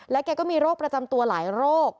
แกก็มีโรคประจำตัวหลายโรค